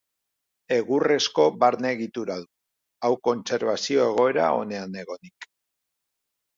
Egurrezko barne egitura du, hau kontserbazio egoera onean egonik.